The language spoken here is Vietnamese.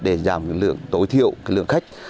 để giảm tối thiệu lượng khách